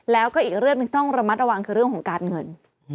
แล้วก็อีกเรื่องหนึ่งต้องระมัดระวังคือเรื่องของการเงิน